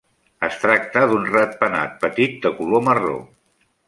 Es tracta d'un ratpenat petit de color marró.